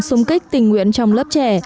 xung kích tình nguyện trong lớp trẻ